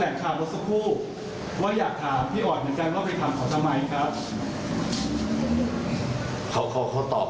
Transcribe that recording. แล้วไปถามเขาทำไมครับ